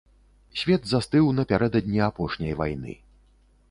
Свет застыў напярэдадні апошняй вайны.